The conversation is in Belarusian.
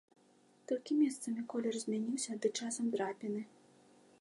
Толькі месцамі колер змяніўся ды часам драпіны.